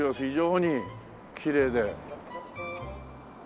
非常にきれいで。